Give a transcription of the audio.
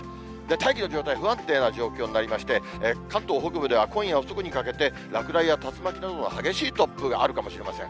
大気の状態不安定な状況になりまして、関東北部では今夜遅くにかけて、落雷や竜巻などの激しい突風があるかもしれません。